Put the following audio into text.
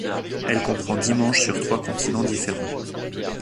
Elle comprend dix manches sur trois continents différents.